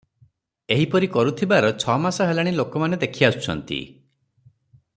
ଏହିପରି କରୁଥିବାର ଛମାସ ହେଲା ଲୋକମାନେ ଦେଖି ଆସୁଛନ୍ତି ।